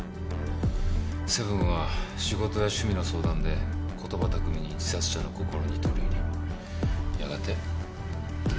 セブンは仕事や趣味の相談で言葉巧みに自殺者の心に取り入りやがて。